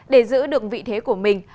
để giữ được vị thế của mình